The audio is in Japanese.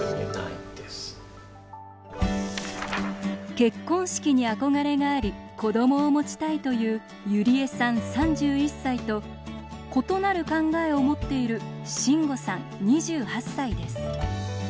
結婚式に憧れがあり子どもを持ちたいというゆりえさん、３１歳と異なる考えを持っているしんごさん、２８歳です。